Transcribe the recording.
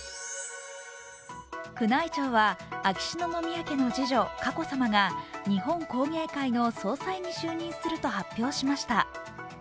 宮内庁は秋篠宮家の次女・佳子さまが日本工芸会の総裁に就任すると発表しました。